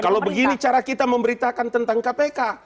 kalau begini cara kita memberitakan tentang kpk